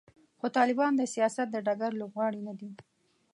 خو طالبان د سیاست د ډګر لوبغاړي نه دي.